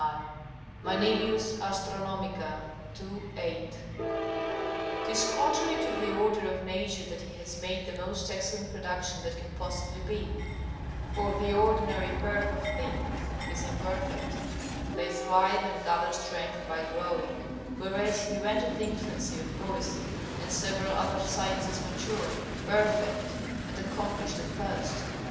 Manilius, Astyon., ii. 8.] 'Tis contrary to the order of nature that he has made the most excellent production that can possibly be; for the ordinary birth of things is imperfect; they thrive and gather strength by growing, whereas he rendered the infancy of poesy and several other sciences mature, perfect, and accomplished at first.